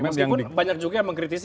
meskipun banyak juga yang mengkritisi